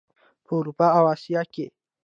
په اروپا او اسیا کې.